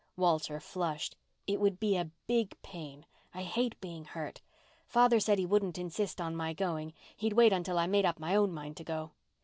Walter flushed. "It would be a big pain. I hate being hurt. Father said he wouldn't insist on my going—he'd wait until I'd made up my own mind to go."